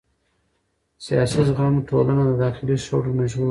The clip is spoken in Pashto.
سیاسي زغم ټولنه د داخلي شخړو نه ژغوري